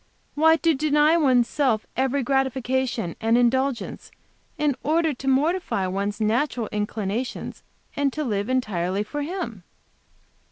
"Why, to deny one's self every gratification and indulgence in order to mortify one's natural inclinations, and to live entirely for Him."